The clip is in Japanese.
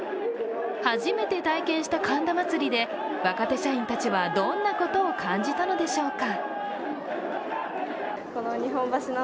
初めて体験した神田祭で若手社員たちはどんなことを感じたのでしょうか。